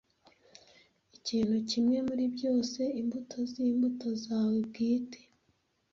Ikintu kimwe muri byose, imbuto zimbuto zawe bwite,